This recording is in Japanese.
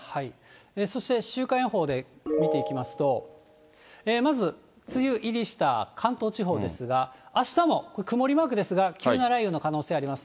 そして、週間予報で見ていきますと、まず梅雨入りした関東地方ですが、あしたも曇りマークですが、急な雷雨の可能性あります。